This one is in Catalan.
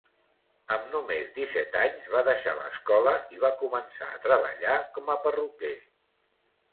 Amb només disset anys va deixar l'escola i va començar a treballar com a perruquer.